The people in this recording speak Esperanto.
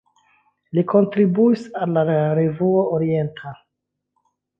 Li kontribuis al "La Revuo Orienta".